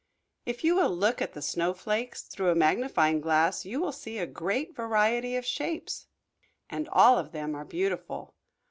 If you will look at the snowflakes through a magnifying glass you will see a great variety of shapes. And all of them are beautiful.